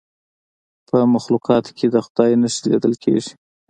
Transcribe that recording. په مخلوقاتو کې د خدای نښې لیدل کیږي.